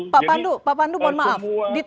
pak pandu pak pandu mohon maaf